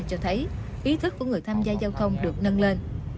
cho thấy ý thức của người tham gia giao thông được nâng lên